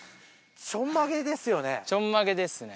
ちょんまげですよね？